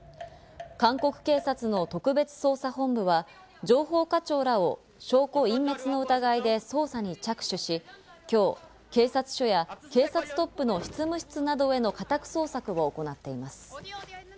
韓国警察の特別捜査本部は情報課長らを証拠隠滅の疑いで捜査に着手し、今日、警察署や警察トップの執務室などへの家宅捜索を行っています。